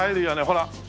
ほら。